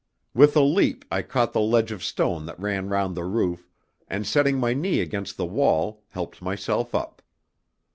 With a leap I caught the ledge of stone that ran round the roof, and setting my knee against the wall, helped myself up.